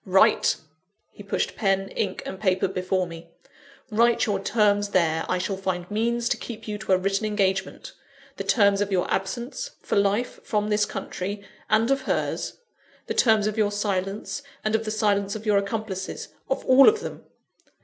Write!" (he pushed pen, ink, and paper before me,) "write your terms there I shall find means to keep you to a written engagement the terms of your absence, for life, from this country; and of hers: the terms of your silence, and of the silence of your accomplices; of all of them.